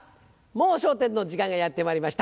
『もう笑点』の時間がやってまいりました。